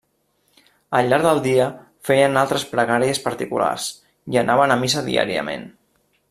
Al llarg del dia, feien altres pregàries particulars i anaven a missa diàriament.